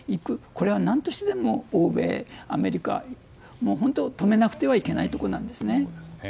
これは何としてでも欧米、アメリカ止めなくてはいけないところなんですね。